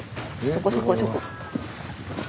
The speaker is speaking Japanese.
そこそこそこ。